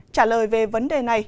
trả lời về vấn đề này